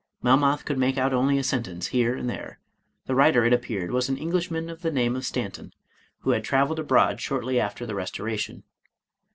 — Melmoth could make out only a sen tence here and there. The writer, it appeared, was an i68 Charles Robert Maturin Englishman of the name of Stanton, who had traveled abroad shortly after the Restoration.